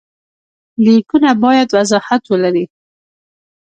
لیکونه باید وضاحت ولري.